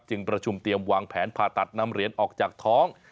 ประชุมเตรียมวางแผนผ่าตัดนำเหรียญออกจากท้อง